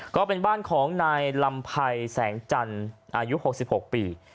ก็เป็นบ้านของนายลำไพรแสงจันทร์อายุ๖๖ปี